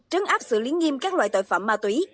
trấn áp xử lý nghiêm các loại tội phạm ma túy